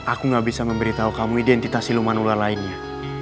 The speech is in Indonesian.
aku gak bisa memberitahu kamu identitas iluman ular lainnya